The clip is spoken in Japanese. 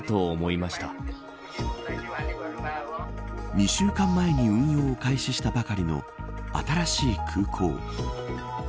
２週間前に運用を開始したばかりの新しい空港。